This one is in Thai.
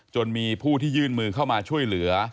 จนมีผู้ที่ยื่นมือเข้ามาช่วยเหลือ